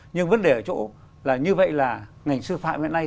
nhưng vấn đề ở chỗ là như vậy là ngành sư phạm hiện nay